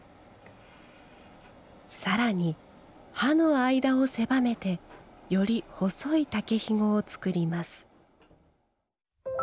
更に刃の間を狭めてより細い竹ひごを作ります。